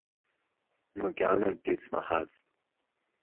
Макьана акгьы смаҳацт…